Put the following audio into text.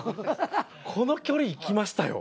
この距離いきましたよ。